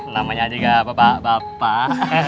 namanya juga bapak bapak